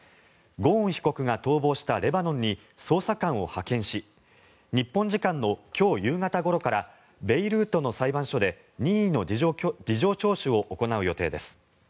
ゴーン被告が逃亡したレバノンに捜査官を派遣し日本時間の今日夕方ごろからベイルートの裁判所で任意の事情聴取を行う予定です。